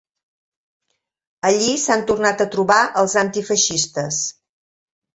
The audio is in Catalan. Allí s’han tornat a trobar els antifeixistes.